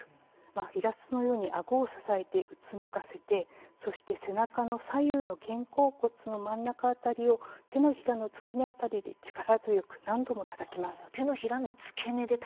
イラストのようにあごを支えてうつむかせて背中の左右の肩甲骨の真ん中辺りを手のひらの付け根辺りで力強く何度もたたきます。